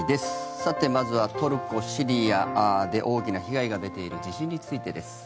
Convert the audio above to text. さて、まずはトルコ、シリアで大きな被害が出ている地震についてです。